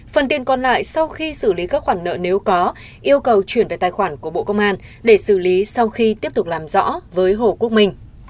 phần tiền còn lại sau khi xử lý các khoản nợ nếu có yêu cầu chuyển về tài khoản của bộ công an để xử lý sau khi tiếp tục làm rõ với hồ quốc mình